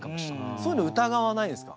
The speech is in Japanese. そういうの疑わないんですか？